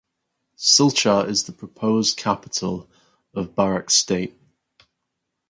Silchar is the proposed capital of Barak state.